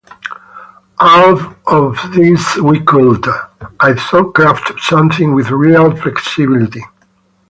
Out of this we could, I thought, craft something with real flexibility.